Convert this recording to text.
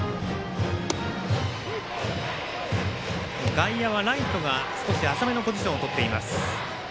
外野はライトが少し浅めのポジションをとっています。